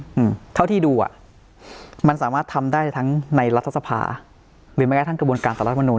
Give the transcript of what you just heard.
อืมเท่าที่ดูอ่ะมันสามารถทำได้ทั้งในรัฐสภาหรือแม้กระทั่งกระบวนการต่อรัฐมนุน